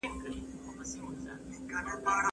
دا انجام وي د خپل قام د غلیمانو